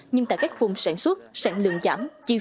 nhưng tại các vùng sản xuất sản lượng giảm